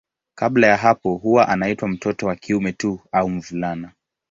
Kabla ya hapo huwa anaitwa mtoto wa kiume tu au mvulana.